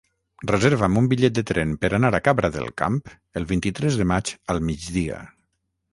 Reserva'm un bitllet de tren per anar a Cabra del Camp el vint-i-tres de maig al migdia.